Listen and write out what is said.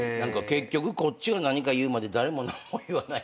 結局こっちが何か言うまで誰も何も言わないとかね。